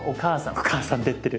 お母さん出てる。